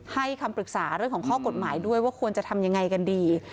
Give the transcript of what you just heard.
คำปรึกษาเรื่องของข้อกฎหมายด้วยว่าควรจะทำยังไงกันดี